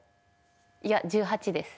いや１８です。